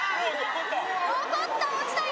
残った落ちない。